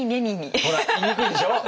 ほら言いにくいでしょう？